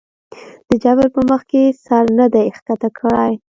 د جبر پۀ مخکښې سر نه دے ښکته کړے